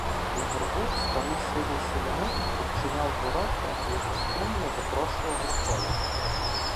На горбку старий сивий селянин відчиняв ворота і гостинно запрошував рукою.